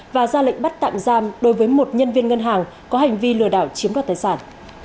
và ra lệnh bắt tạm giam đối với một nhân viên ngân hàng có hành vi lừa đảo chiếm đoạt tài sản